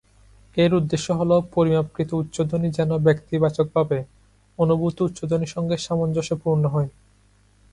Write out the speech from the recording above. এর উদ্দেশ্য হল, পরিমাপকৃত উচ্চধ্বনি যেন ব্যক্তিবাচকভাবে অনুভূত উচ্চধ্বনির সঙ্গে সামঞ্জস্যপূর্ণ হয়।